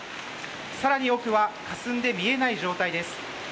更に奥はかすんで見えない状態です。